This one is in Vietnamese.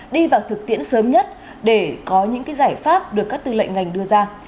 đi vào thực tiễn sớm nhất để có những giải pháp được các tư lệnh ngành đưa ra